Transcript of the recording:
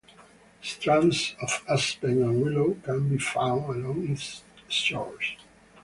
Strands of aspen and willow can be found along its shores.